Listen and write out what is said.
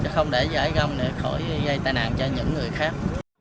không để giải rong để khỏi gây tai nạn cho những người khác